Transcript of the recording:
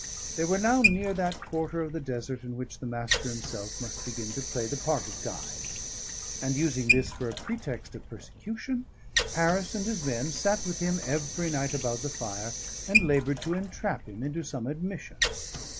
They were now near that quarter of the desert in which the Master himself must begin to play the part of guide; and using this for a pretext of persecution, Harris and his men sat with him every night about the fire, and laboured to entrap him into some admission.